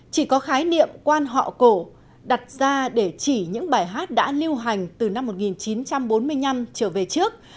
chỉ có khái niệm quan họ cổ đặt ra để chỉ những bài hát đã lưu hành từ năm một nghìn chín trăm bốn mươi năm trở về trước